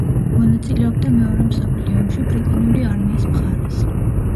მონაწილეობდა მეორე მსოფლიო ომში ბრიტანული არმიის მხარეს.